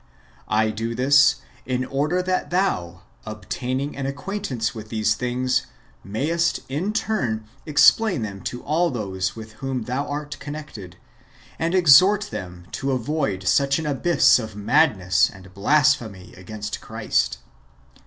I do this, in order that thou, obtaining an acquaintance with these things, mayest in turn explain them to all those with whom thou art con nected, and exhort them to avoid such an abyss of madness and of blasphemy against Christ.